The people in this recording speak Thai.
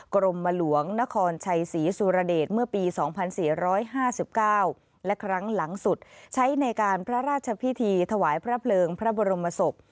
กรมหลวงนครชัยศรีสุรเดชเมื่อปีสองพันสี่ร้อยห้าสิบเก้าและครั้งหลังสุดใช้ในการพระราชพิธีถวายพระเพลิงพระบรมศพ